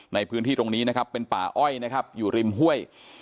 ในพื้นที่ตรงนี้นะครับเป็นป่าอ้อยนะครับอยู่ริมห้วย